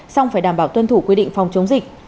xong phải đảm bảo tuân thủ quy định phòng chống dịch